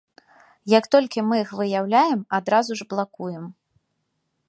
Як толькі мы іх выяўляем, адразу ж блакуем.